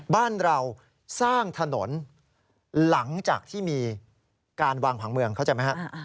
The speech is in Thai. บ้านเราสร้างถนนหลังจากที่มีการวางผังเมืองเข้าใจไหมครับ